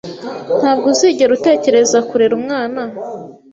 Ntabwo uzigera utekereza kurera umwana?